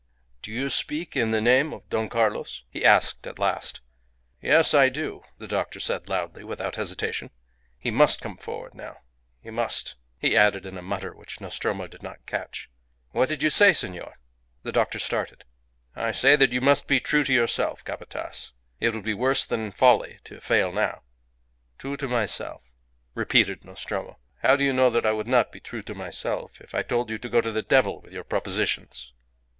"Do you speak in the name of Don Carlos?" he asked at last. "Yes. I do," the doctor said, loudly, without hesitation. "He must come forward now. He must," he added in a mutter, which Nostromo did not catch. "What did you say, senor?" The doctor started. "I say that you must be true to yourself, Capataz. It would be worse than folly to fail now." "True to myself," repeated Nostromo. "How do you know that I would not be true to myself if I told you to go to the devil with your propositions?"